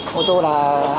nước vậy là nó